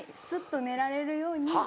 スッと寝られるように。